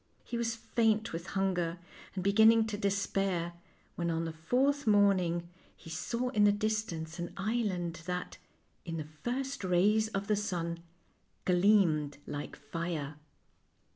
He was faint with hunger and be ginning to despair, when on the fourth morning he saw in the distance an island that, in the first rays of the sun, gleamed like fire.